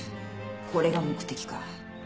これが目的か。